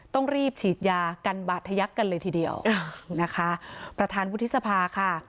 ต้องรีบฉีดยากันบาดทะยักกันเลยทีเดียวนะคะประธานวุฒิสภาค่ะ